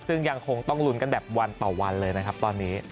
ซึ่งยังคงต้องลุ้นกันแบบวันต่อวันเลยนะครับตอนนี้